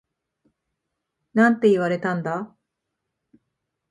なんて言われたんだ？